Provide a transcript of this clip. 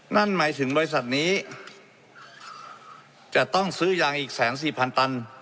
นั่นหมายถึงบริษัทนี้จะต้องซื้อยางอีก๑๔๐๐ตัน